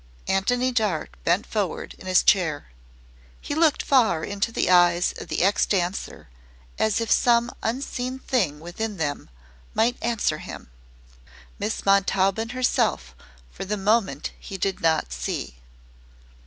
Antony Dart bent forward in his chair. He looked far into the eyes of the ex dancer as if some unseen thing within them might answer him. Miss Montaubyn herself for the moment he did not see.